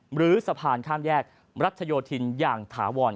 หรือสะพานข้ามแยกรัชโยธินอย่างถาวร